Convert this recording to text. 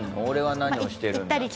「俺は何をしてるんだ？」。